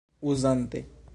uzante